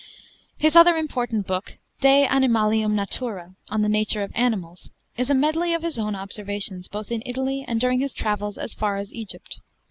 His other important book, 'De Animalium Natura' (On the Nature of Animals), is a medley of his own observations, both in Italy and during his travels as far as Egypt.